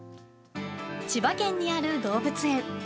千葉県にある動物園。